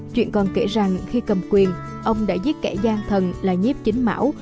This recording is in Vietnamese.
chuyện còn kể rằng khi cầm quyền ông đã giết kẻ gian thần là nhiếp chính mão